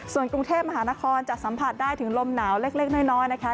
ส่วนกรุงเทพมหานครจะสัมผัสได้ถึงลมหนาวเล็กน้อยนะคะ